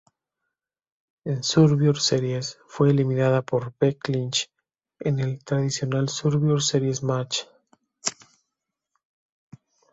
En Survivor Series, fue eliminada por Becky Lynch en el Traditional Survivor Series Match.